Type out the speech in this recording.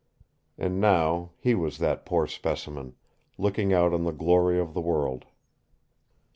And now he was that poor specimen, looking out on the glory of the world!